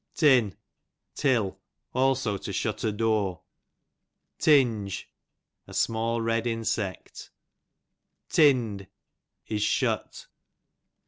Tin, till ; also to shut a door. Tinge, a small red insect. Tinn'd, is shut.